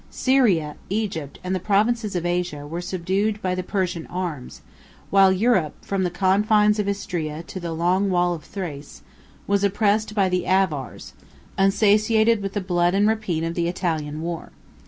Syria, Egypt, and the provinces of Asia, were subdued by the Persian arms, while Europe, from the confines of Istria to the long wall of Thrace, was oppressed by the Avars, unsatiated with the blood and rapine of the Italian war.